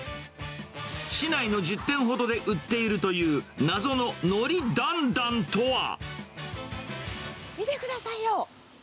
市内の１０店ほどで売っていると見てくださいよ。